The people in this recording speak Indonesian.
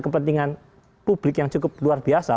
kepentingan publik yang cukup luar biasa